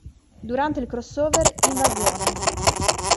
Durante il crossover "Invasione!